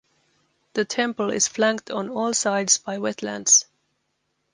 The temple is flanked on all sides by wetlands.